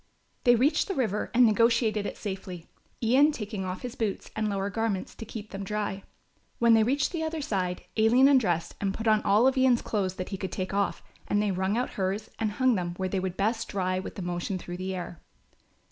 They reached the river and negotiated it safely, Ian taking off his boots and lower garments to keep them dry. When they reached the other side Aline undressed and put on all of Ian's clothes that he could take off and they wrung out hers and hung them where they would best dry with the motion through the air.